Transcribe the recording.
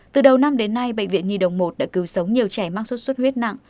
từ đầu năm đến nay bệnh viện nhi đồng một đã cứu sống nhiều trẻ mắc sốt xuất huyết nặng